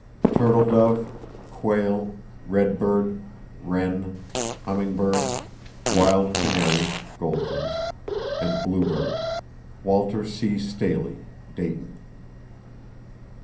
Turtle dove, quail, red bird, wren, hummingbird, wild canary [goldfinch] and blue bird.—(Walter C. Staley, Dayton.)